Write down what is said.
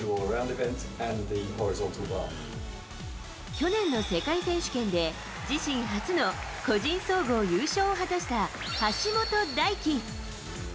去年の世界選手権で、自身初の個人総合優勝を果たした橋本大輝。